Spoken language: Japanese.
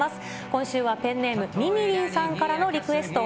今週はペンネーム、みみりんさんからのリクエスト。